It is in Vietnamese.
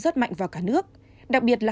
rất mạnh vào cả nước đặc biệt là